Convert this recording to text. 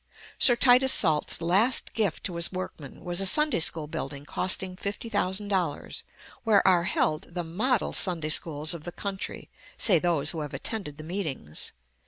Sir Titus Salt's last gift to his workmen was a Sunday school building costing $50,000, where are held the "model Sunday schools of the country," say those who have attended the meetings.